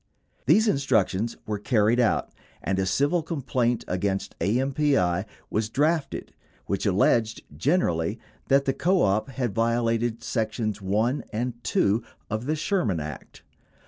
These instructions were carried out and a civil complaint against AMPI was drafted which alleged generally that the co op had vio lated sections 1 and 2 of the Sherman Act.